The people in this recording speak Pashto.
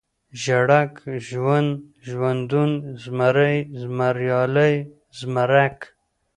ژړک ، ژوند ، ژوندون ، زمری ، زمريالی ، زمرک